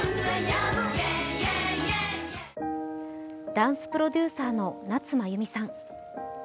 ダンスプロデューサーの夏まゆみさん。